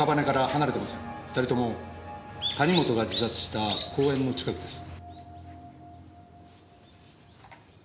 ２人とも谷本が自殺した公園の近くです。